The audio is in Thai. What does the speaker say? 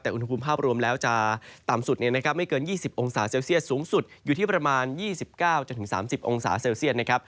แต่อุณหภูมิภาพรวมแล้วจะต่ำสุดไม่เกิน๒๐องศาเซลเซียสสูงสุดอยู่ที่ประมาณ๒๙๓๐องศาเซลเซียตนะครับ